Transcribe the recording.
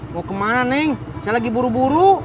mau kemana neng saya lagi buru buru